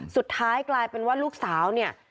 สุดท้ายกลายเป็นว่าลูกสาวเนี่ย